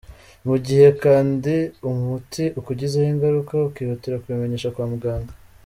Mu gihe kandiumuti ukugizeho ingaruka ukihutira kubimenyesha kwa muganga.